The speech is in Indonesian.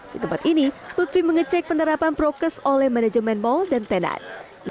di tempat ini lutfi mengecek penerapan prokes oleh manajemen mal dan tenan